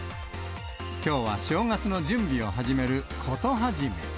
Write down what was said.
きょうは正月の準備を始める事始め。